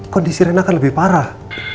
kondisi rena akan lebih parah